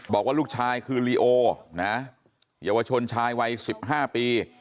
บอกว่าลูกชายคือลีโอนะเยาวชนชายวัย๑๕ปี